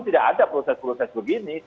tidak ada proses proses begini